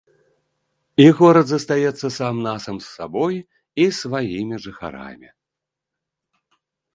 І горад застаецца сам-насам з сабой і сваімі жыхарамі.